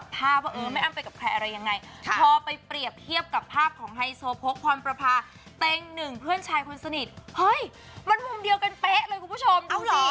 พอไปเปรียบเทียบกับภาพของไฮโซพกความปรภาเต็งหนึ่งเพื่อนชายคนสนิทเฮ้ยมันมุมเดียวกันเป๊ะเลยคุณผู้ชมเอ้าเหรอ